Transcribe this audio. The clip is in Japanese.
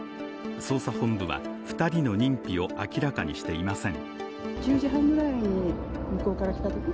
捜査本部は、２人の認否を明らかにしていません。